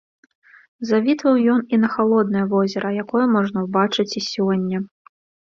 Завітваў ён і на халоднае возера, якое можна ўбачыць і сёння.